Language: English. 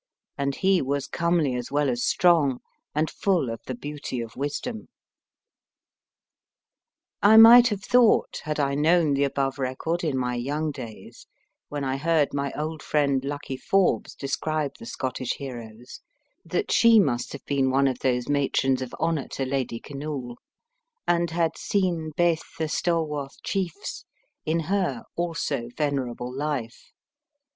And he was comely as well as strong, and full of the beauty of wisdom.'" I might have thought, had I known the above record in my young days, when I heard my old friend Luckie Forbes describe the Scottish heroes, that she must have been one of those matrons of honor to Lady Kinnoul, and had "seen baith the stalwarth chiefs" in her also venerable life.